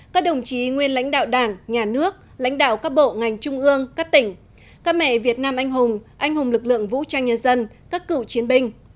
các đồng chí nguyên lãnh đạo đảng nhà nước lãnh đạo các bộ ngành trung ương các tỉnh các mẹ việt nam anh hùng anh hùng lực lượng vũ trang nhân dân các cựu chiến binh